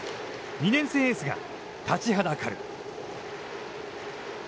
２年生エースが立ちはだかる。